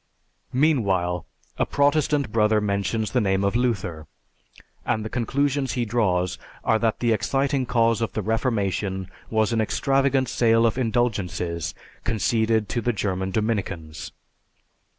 Meanwhile, a Protestant Brother mentions the name of Luther, and the conclusions he draws are that the exciting cause of the Reformation was an extravagant sale of indulgences conceded to the German Dominicans.